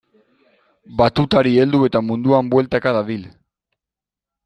Batutari heldu eta munduan bueltaka dabil.